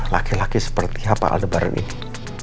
laki laki seperti apa aldebaran ini